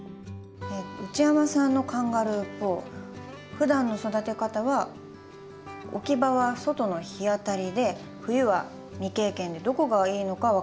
内山さんのカンガルーポーふだんの育て方は置き場は外の日当たりで冬は未経験でどこがいいのか分からないそうです。